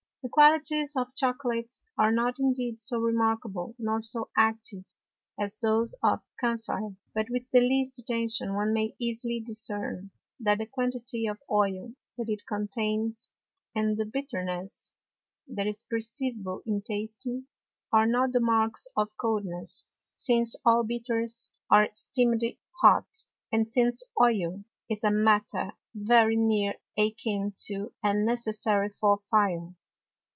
The Qualities of Chocolate are not indeed so remarkable, nor so active, as those of Camphire; but, with the least Attention, one may easily discern, that the Quantity of Oil that it contains, and the Bitterness that is perceivable in Tasting, are not the Marks of Coldness, since all Bitters are esteem'd hot, and since Oil is a Matter very near a kin to, and necessary for Fire.